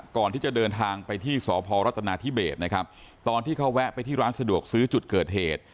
ก่อนที่จะเดินทางไปที่สพรัฐนาธิเบสนะครับตอนที่เขาแวะไปที่ร้านสะดวกซื้อจุดเกิดเหตุ